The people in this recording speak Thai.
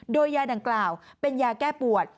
โดยยาดังกล่าวเป็นยาแก้ปวด